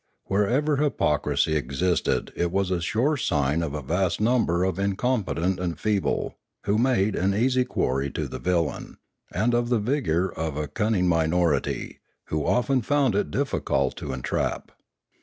Wherever hypocrisy existed it was a sure sign of a vast number of incompetent and feeble, who made an easy quarry to the villain, and of the vigour of a cun ning minority, who often found it difficult to entrap.